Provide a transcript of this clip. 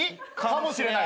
かもしれない。